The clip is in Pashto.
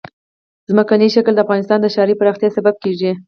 ځمکنی شکل د افغانستان د ښاري پراختیا سبب کېږي.